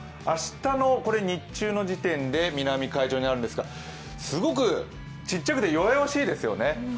明日の日中の時点で南海上にあるんですがすごくちっちゃくて弱々しいですよね。